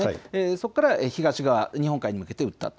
そこから東側、日本海に向けてうったと。